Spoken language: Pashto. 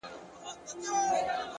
پرمختګ د پرلهپسې عمل پایله ده؛